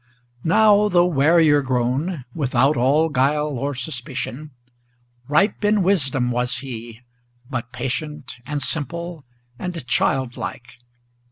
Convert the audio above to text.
Now, though warier grown, without all guile or suspicion, Ripe in wisdom was he, but patient, and simple, and childlike.